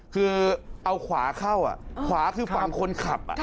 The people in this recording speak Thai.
คือเอาขวาเข้าขวาคือฝั่งคนขับ